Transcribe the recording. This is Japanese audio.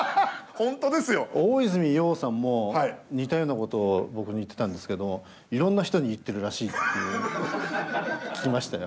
大泉洋さんも似たようなことを僕に言ってたんですけどいろんな人に言ってるらしいって聞きましたよ。